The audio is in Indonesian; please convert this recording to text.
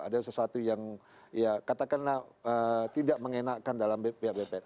ada sesuatu yang ya katakanlah tidak mengenakan dalam pihak bpn